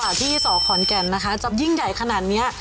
ที่สอขอนแก่นนะคะจะยิ่งใหญ่ขนาดเนี้ย